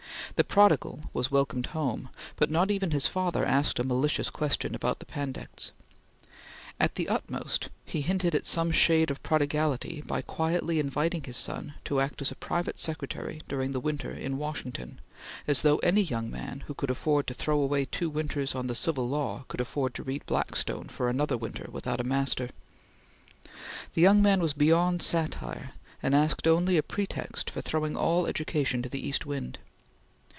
The prodigal was welcomed home, but not even his father asked a malicious question about the Pandects. At the utmost, he hinted at some shade of prodigality by quietly inviting his son to act as private secretary during the winter in Washington, as though any young man who could afford to throw away two winters on the Civil Law could afford to read Blackstone for another winter without a master. The young man was beyond satire, and asked only a pretext for throwing all education to the east wind.